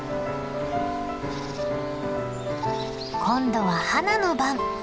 今度はハナの番。